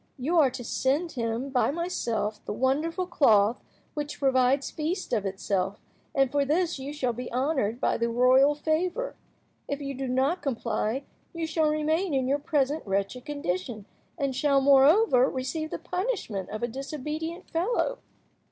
You are to send him by myself the wonderful cloth which provides feasts of itself, and for this you shall be honoured by the royal favour. If you do not comply, you shall remain in your present wretched condition, and shall, moreover, receive the punishment of a disobedient fellow.